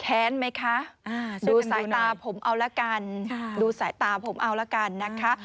ไหมคะดูสายตาผมเอาละกันดูสายตาผมเอาละกันนะคะ